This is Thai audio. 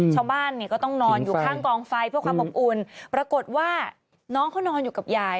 ชาวบ้านเนี่ยก็ต้องนอนอยู่ข้างกองไฟเพื่อความอบอุ่นปรากฏว่าน้องเขานอนอยู่กับยาย